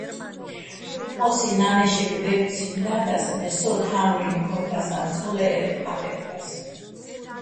ო́სი ნანეშეგო̆ დე́ფციჼ და́დას, მე სო თამრუჲნ ქორ თასაჼ ცო ლე́ჸერ-ე ყახე́თრასო̆.